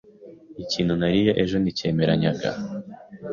Ikintu nariye ejo nticyemeranyaga.